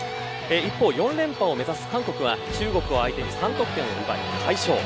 一方、４連覇を目指す韓国は中国相手に３得点を奪い快勝。